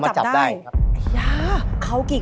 ใช่